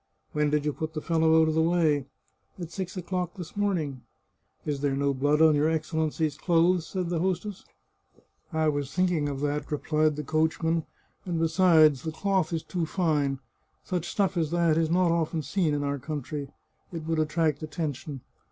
" When did you put the fellow out of the way ?"" At six o'clock this morning." " Is there no blood on your Excellency's clothes ?" said the hostess. 206 The Chartreuse of Parma " I was thinking of that," replied the coachman ;" and besides, the cloth is too fine. Such stuflf as that is not often seen in our country. It would attract attention.